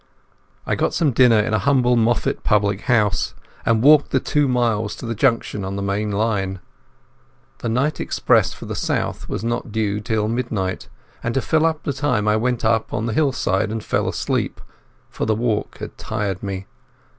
I got some dinner in a humble Moffat public house, and walked the two miles to the junction on the main line. The night express for the south was not due till near midnight, and to fill up the time I went up on the hillside and fell asleep, for the walk had tired me.